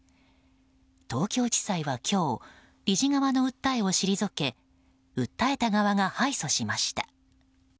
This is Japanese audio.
東京地裁は今日理事側の訴えを退け訴えた側が敗訴しました。